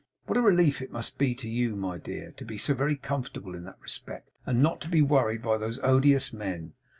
What a relief it must be to you, my dear, to be so very comfortable in that respect, and not to be worried by those odious men!